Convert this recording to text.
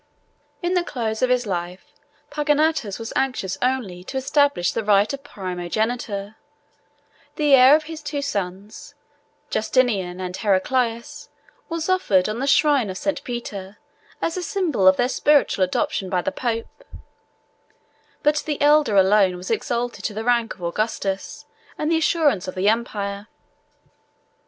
In the close of his life, Pogonatus was anxious only to establish the right of primogeniture: the heir of his two sons, Justinian and Heraclius, was offered on the shrine of St. Peter, as a symbol of their spiritual adoption by the pope; but the elder was alone exalted to the rank of Augustus, and the assurance of the empire.